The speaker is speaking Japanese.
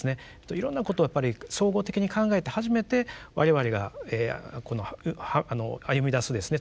いろんなことをやっぱり総合的に考えて初めて我々が歩みだすですね